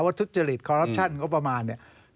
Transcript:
วัดทุจริตคอรับชั่นเเก้าประมาณเนี่ย